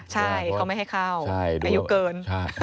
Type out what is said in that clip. ใช่เขาไม่ให้เข้าอายุเกิน